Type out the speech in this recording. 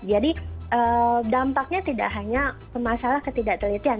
jadi dampaknya tidak hanya ke masalah ketidak telitian